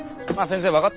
先生